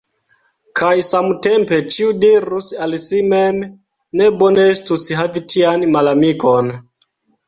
Kaj samtempe ĉiu dirus al si mem: ne bone estus havi tian malamikon!